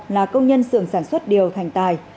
là công nhân sường sản xuất điều thành tài